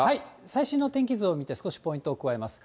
最新の天気図を見て、少しポイントを加えます。